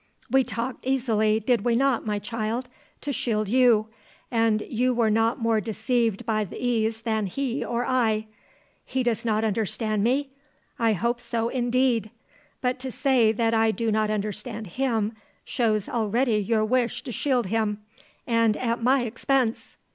"We talked easily, did we not, my child, to shield you, and you were not more deceived by the ease than he or I. He does not understand me? I hope so indeed. But to say that I do not understand him shows already your wish to shield him, and at my expense.